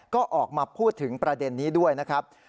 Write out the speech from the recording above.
ก็ออกมาพูดถึงประเด็นนี้ด้วยนะครับ